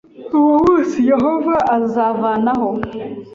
uwo munsi Yehova azavanaho